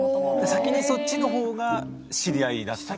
先にそっちの方が知り合いだった。